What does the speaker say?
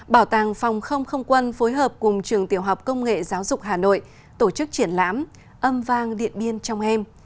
bảo tàng phòng không không quân phối hợp cùng trường tiểu học công nghệ giáo dục hà nội tổ chức triển lãm âm vang điện biên trong em